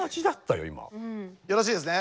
よろしいですね？